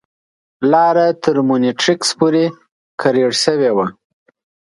لاره تر مونیټریکس پورې کریړ شوې وه.